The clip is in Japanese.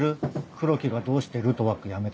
黒木がどうしてルトワック辞めたか。